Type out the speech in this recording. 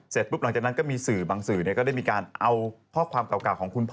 เสร็จปุ๊บหลังจากนั้นก็มีสื่อบางสื่อก็ได้มีการเอาข้อความเก่าของคุณพ่อ